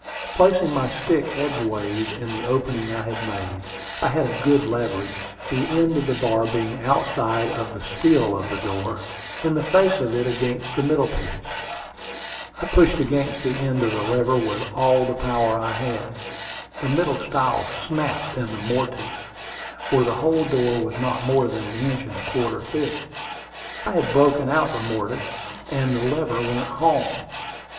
Placing my stick edgeways in the opening I had made, I had a good leverage, the end of the bar being outside of the stile of the door, and the face of it against the middle piece. I pushed against the end of the lever with all the power I had. The middle stile snapped in the mortise, for the whole door was not more than an inch and a quarter thick. I had broken out the mortise, and the lever went "home."